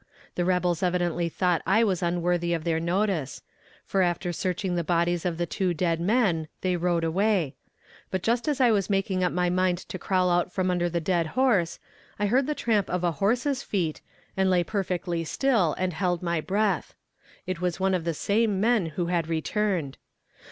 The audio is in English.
The rebels evidently thought I was unworthy of their notice, for after searching the bodies of the two dead men they rode away; but just as I was making up my mind to crawl out from under the dead horse, I heard the tramp of a horse's feet, and lay perfectly still and held my breath. It was one of the same men, who had returned.